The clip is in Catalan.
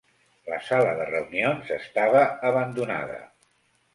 La sala de reunions estava abandonada.